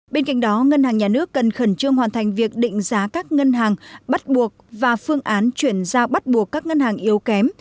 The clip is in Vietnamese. bên cạnh đó ngân hàng nhà nước cần khẩn trương hoàn thành việc định giá các ngân hàng bắt buộc và phương án chuyển ra bắt buộc các ngân hàng yếu kém